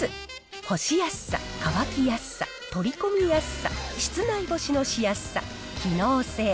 干しやすさ、乾きやすさ、取り込みやすさ、室内干しのしやすさ、機能性。